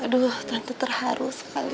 aduh tante terharu sekali